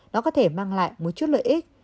nó có thể mang lại một chút lợi ích